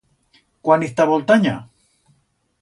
Cuán iz ta Boltanya?